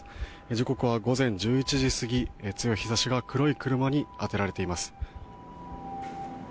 時刻は午前１１時過ぎ強い日差しが黒い車に当てられています。